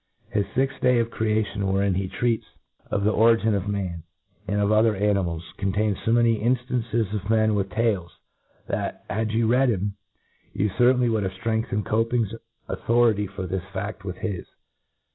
His fixth day of the creation j; wherein he treats of the origin of man, and of o ther animals, contains fo many inftances of men' with tails, that, had you read him, you certainly would have ftrengthened Keeping's authority for this faft with his.